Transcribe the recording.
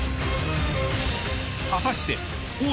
［果たして］